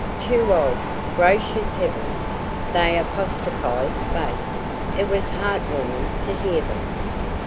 "Too old gracious heavens!" they apostrophised space. It was heart warming to hear them.